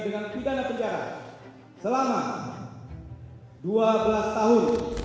dengan pidana penjara selama dua belas tahun